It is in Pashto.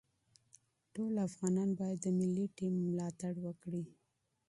ټول افغانان باید د ملي ټیم ملاتړ وکړي.